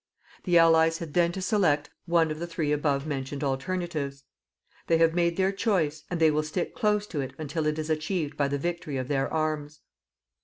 The Allies had then to select one of the three above mentioned alternatives. They have made their choice and they will stick close to it until it is achieved by the victory of their arms.